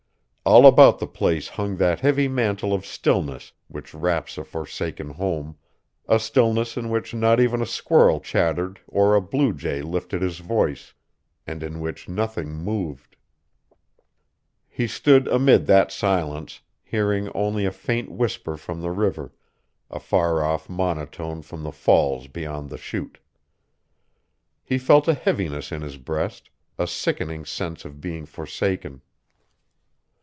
All about the place hung that heavy mantle of stillness which wraps a foresaken home, a stillness in which not even a squirrel chattered or a blue jay lifted his voice, and in which nothing moved. He stood amid that silence, hearing only a faint whisper from the river, a far off monotone from the falls beyond the chute. He felt a heaviness in his breast, a sickening sense of being forsaken.